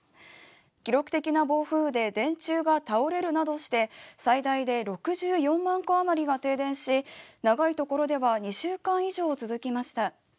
記録的な暴風で電柱が倒れるなどして最大で６４万戸あまりが停電し長いところでは２週間以上続きました。